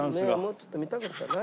もうちょっと見たかったな。